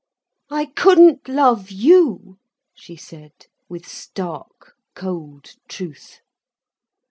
"I couldn't love you," she said, with stark cold truth.